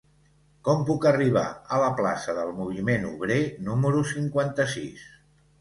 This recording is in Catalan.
Com puc arribar a la plaça del Moviment Obrer número cinquanta-sis?